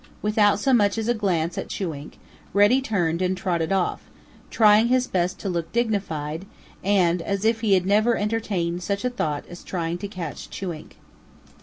Without so much as a glance at Chewink, Reddy turned and trotted off, trying his best to look dignified and as if he had never entertained such a thought as trying to catch Chewink.